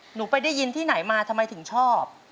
หนูไปได้ยินที่ไหนมาทำไมถึงชอบ